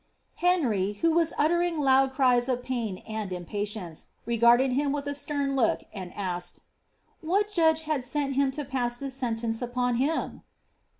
Henry, who was uttering loud cries of pain and im fttience, regarded him with a stern look, and asked, ^^ What judge had ent him to pass this sentence upon him